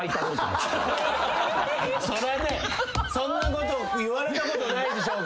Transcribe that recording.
そらねそんなこと言われたことないでしょう。